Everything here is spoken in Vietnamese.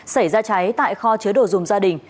xảy ra cháy tại kho chứa đồ dùng gia đình